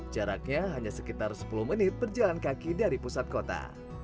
jaraknya hanya sekitar sepuluh menit berjalan kaki dari pusat kota